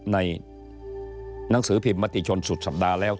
หนังสือพิมพ์มติชนสุดสัปดาห์แล้ว